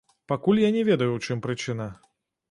Пакуль я не ведаю ў чым прычына.